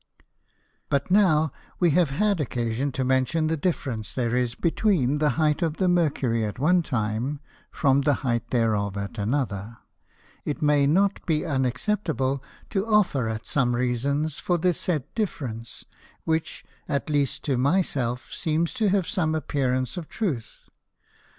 But now we have had occasion to mention the difference there is between the height of the Mercury at one time, from the height thereof at another, it may not be unacceptable to offer at some Reasons for the said difference; which, at least to my self, seem to have some appearance of Truth.